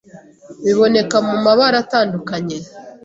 Biboneka mu mabara atandukanye,